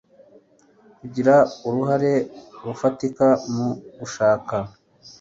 Kugira uruhare rufatika mu gushaka